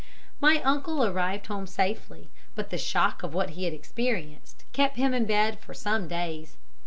My uncle arrived home safely, but the shock of what he had experienced kept him in bed for some days.